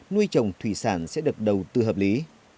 nuôi trồng thủy sản sẽ được đầu tư hợp lý